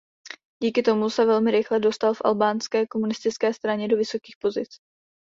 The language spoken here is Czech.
Díky tomu se velmi rychle dostal v albánské komunistické straně do vysokých pozic.